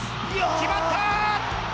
決まった！